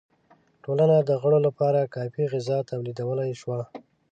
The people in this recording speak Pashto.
ټولنه د غړو لپاره کافی غذا تولیدولای شوه.